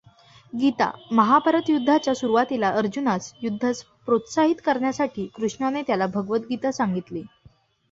गीता महाभारत युद्धाच्या सुरुवातीला अर्जुनास युद्धास प्रोत्साहित करण्यासाठी कृष्णाने त्याला भगवद् गीता सांगितली.